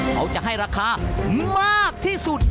เขาจะให้ราคามากที่สุด